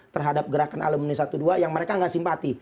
terhadap gerakan alumni satu dua yang mereka nggak simpati